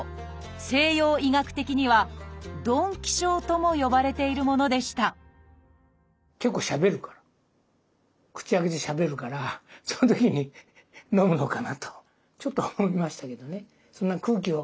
西洋医学的には「呑気症」とも呼ばれているものでした結構しゃべるから口開けてしゃべるからそのときにのむのかなとちょっとは思いましたけどね。